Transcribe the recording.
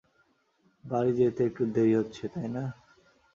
বাড়ি যেতে একটু দেরি হচ্ছে, তাই না?